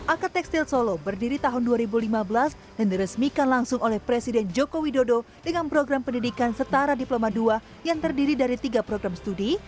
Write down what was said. aka tekstil solo berdiri tahun dua ribu lima belas dan diresmikan langsung oleh presiden joko widodo dengan program pendidikan setara diploma dua yang terdiri dari tiga program studi